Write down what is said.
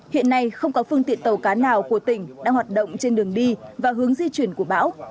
hiện nay không có phương tiện tàu cá nào của tỉnh đang hoạt động trên đường đi và hướng di chuyển của bão